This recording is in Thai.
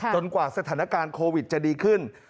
กว่าสถานการณ์โควิดจะดีขึ้น